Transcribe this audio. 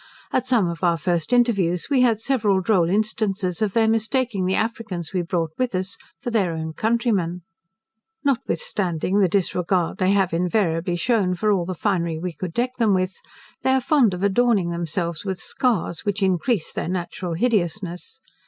At some of our first interviews, we had several droll instances of their mistaking the Africans we brought with us for their own countrymen. Notwithstanding the disregard they have invariably shewn for all the finery we could deck them with, they are fond of adorning themselves with scars, which increase their natural hideousness.